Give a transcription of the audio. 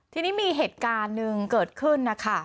ทีนี้มีเหตุการณ์หนึ่งเกิดขึ้นนะคะ